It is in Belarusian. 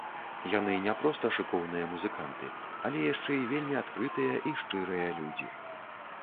Яны не проста шыкоўныя музыканты, але яшчэ і вельмі адкрытыя і шчырыя людзі.